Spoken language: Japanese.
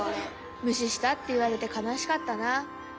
「むしした」っていわれてかなしかったな。